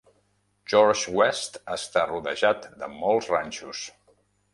George West està rodejat de molts ranxos.